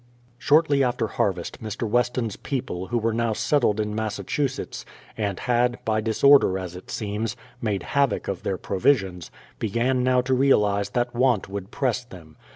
Shortly after harvest Mr. Weston's people, who were now settled in Massachusetts, and had, by disorder as it seems, made havoc of their provisions, began now to realize that want would press them.